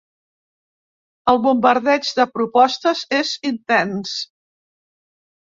El bombardeig de propostes és intens.